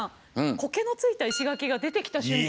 こけのついた石垣が出てきた瞬間